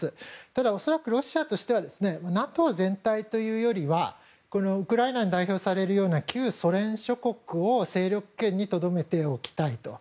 ただ、恐らくロシアとしてはＮＡＴＯ全体というよりはウクライナに代表されるような旧ソ連諸国を勢力圏にとどめておきたいと。